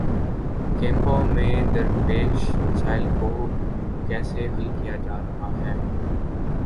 کیمپوں میں درپیش مسائل کو کیسے حل کیا جا رہا ہے؟